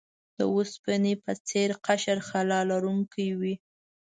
د اوسپنې په څیر قشر خلا لرونکی وي.